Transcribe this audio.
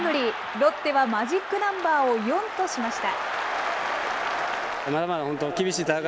ロッテはマジックナンバーを４としました。